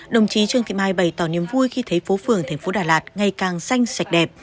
đồng chí trương thị mai bày tỏ niềm vui khi thấy phố phường thành phố đà lạt ngày càng xanh sạch đẹp